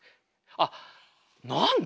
あっなんで？